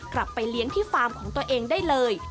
กลับไปเลี้ยงที่ฟาร์มของตัวเองได้เลย